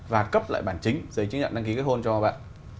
và cấp lại bản chính giấy chứng nhận đăng ký kết hôn cho bạn